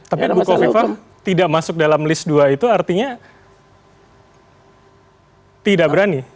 tapi bu kofifah tidak masuk dalam list dua itu artinya tidak berani